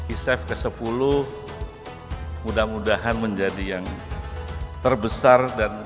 isef ke sepuluh mudah mudahan menjadi yang terbesar dan terbaik